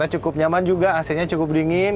ya ternyata cukup nyaman juga ac nya cukup dingin